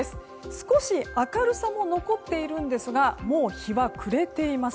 少し明るさも残っているんですがもう日は暮れています。